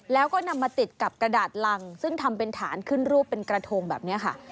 แล้วก็นำมาติดกับกระดาษรังซึ่งทำเป็นฐานขึ้นรูปเป็นกระทงแบบนี้ค่ะ